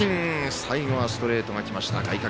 最後はストレートがきました外角。